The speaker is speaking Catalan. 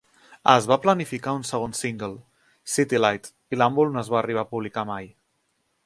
Es va planificar un segon single, "City Lights", i l'àlbum no es va arribar a publicar mai.